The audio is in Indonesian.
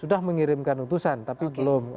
sudah mengirimkan utusan tapi belum